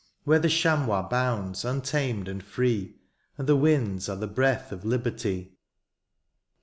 Where the chamois bounds untamed and free. And the winds are the breath of liberty.